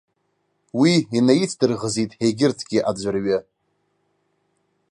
Уи инаицдырӷызит егьырҭгьы аӡәырҩы.